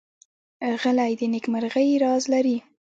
غلی، د نېکمرغۍ راز لري.